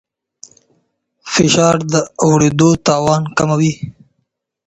فشار د اورېدو توان کموي.